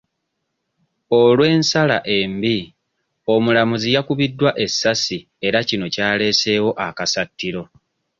Olw'ensala embi, omulamuzi yakubiddwa essasi era kino kyaleeseewo akasattiro.